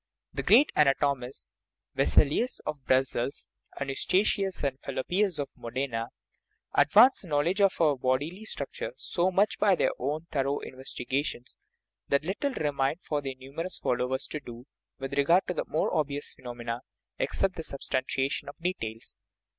The great anatomists, Vesalius (of Brussels), and Eustachius and Fallopius (of Modena), advanced the knowledge of our bodily structure so much by their own thorough investigations that little re mained for their numerous followers to do, with regard to the more obvious phenomena, except the substantia tion of details.